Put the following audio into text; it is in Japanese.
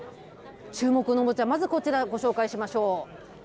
注目のおもちゃ、まずこちらご紹介しましょう。